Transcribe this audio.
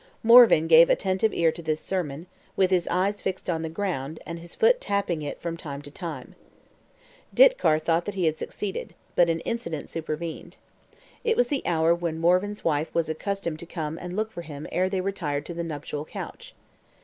Morvan gave attentive ear to this sermon, with his eyes fixed on the ground, and his foot tapping it from time to time. Ditcar thought he had succeeded; but an incident supervened. It was the hour when Morvan's wife was accustomed to come and look for him ere they retired to the nuptial couch.